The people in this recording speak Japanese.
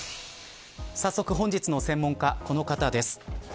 さっそく本日の専門家この方です